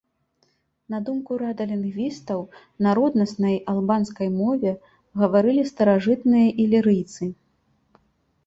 На думку рада лінгвістаў, на роднаснай албанскай мове гаварылі старажытныя ілірыйцы.